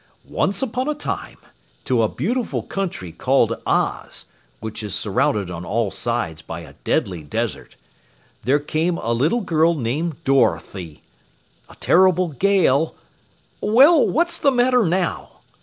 Once upon a time, to a beautiful country called Oz, which is surrounded on all sides by a deadly desert, there came a little girl named Dorothy. A terrible gale Well, what's the matter now?"